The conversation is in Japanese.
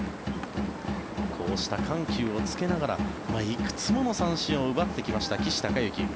こうした緩急をつけながらいくつもの三振を奪ってきました岸孝之。